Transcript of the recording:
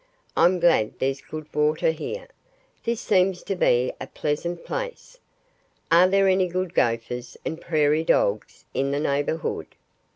"I'm glad there's good water here. This seems to be a pleasant place. ... Are there any good Gophers and Prairie Dogs in the neighborhood?"